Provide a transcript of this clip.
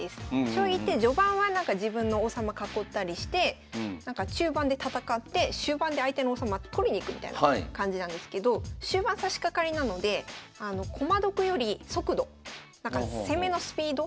将棋って序盤は自分の王様囲ったりして中盤で戦って終盤で相手の王様取りに行くみたいな感じなんですけど終盤さしかかりなので駒得より速度攻めのスピード？